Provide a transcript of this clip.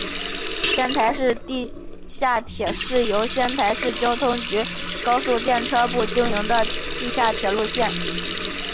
仙台市地下铁是由仙台市交通局高速电车部经营的地下铁路线。